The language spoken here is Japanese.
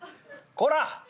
こら！